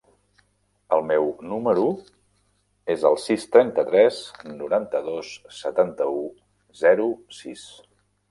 El meu número es el sis, trenta-tres, noranta-dos, setanta-u, zero, sis.